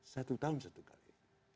satu tahun satu kali